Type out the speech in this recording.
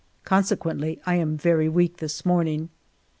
Con sequently I am very weak this morning.